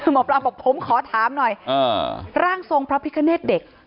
หมอปลาบอกผมขอถามหน่อยร่างทรงพระพิคเนตเด็ก